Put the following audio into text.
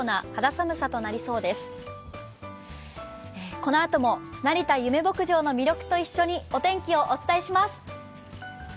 このあとも成田ゆめ牧場の魅力と一緒にお天気お伝えします。